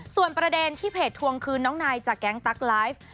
ส่วนประเด็นที่เพจทวงคืนน้องนายจากแก๊งตั๊กไลฟ์